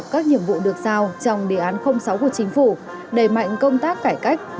các nhiệm vụ được giao trong đề án sáu của chính phủ đẩy mạnh công tác cải cách